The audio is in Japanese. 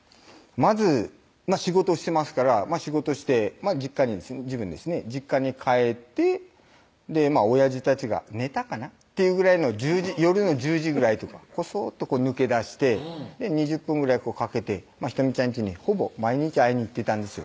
まず仕事してますから仕事して実家に帰っておやじたちが寝たかな？っていうぐらいの夜の１０時ぐらいとかこそっと抜け出して２０分ぐらいかけて仁美ちゃんちにほぼ毎日会いに行ってたんですよ